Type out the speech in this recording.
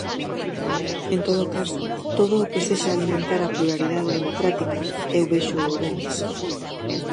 En todo caso, todo o que sexa alimentar a pluralidade democrática eu véxoo ben.